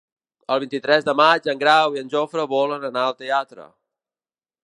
El vint-i-tres de maig en Grau i en Jofre volen anar al teatre.